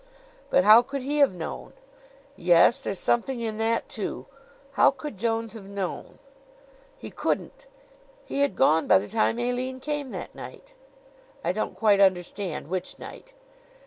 "But how could he have known?" "Yes; there's something in that, too. How could Jones have known?" "He couldn't. He had gone by the time Aline came that night." "I don't quite understand. Which night?"